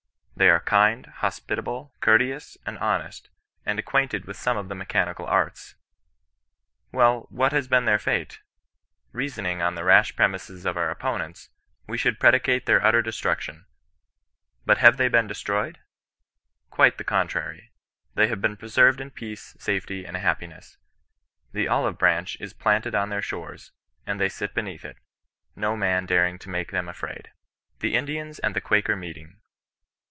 They are kind, hospitable, courteous, and honest, and ac quainted with some of the mechanical arts. WeU, what has been their fate ? Reasoning on the rash premises of our opponents, we should predicate their utter destruc tion. But have they been destroyed ? Quite the contrary. They have been preserved in peace, safety, and happiness, f The Olive branch" is planted on their ^ores, and they sit beneath it, ^^ no man daring to make them afraid.'' — 2fCree, THE INDIANS AND THE QUAKER MEETING.